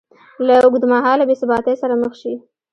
له اوږدمهاله بېثباتۍ سره مخ شي